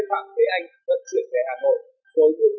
và vận chuyển ra hải phóng đối tượng